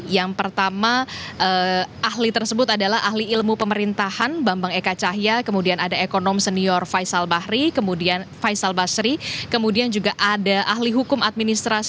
yang pertama ahli tersebut adalah ahli ilmu pemerintahan bambangkabar